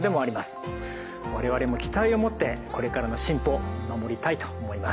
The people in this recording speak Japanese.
我々も期待を持ってこれからの進歩見守りたいと思います。